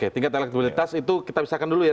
tingkat elektabilitas itu kita pisahkan dulu ya